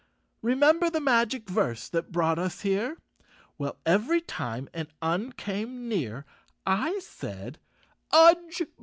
Remember the magic verse that brought us here? .Well, every time an Un came near I said: " Udge!